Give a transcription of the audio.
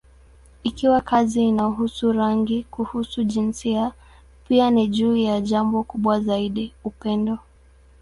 Ikiwa kazi inahusu rangi, kuhusu jinsia, pia ni juu ya jambo kubwa zaidi: upendo.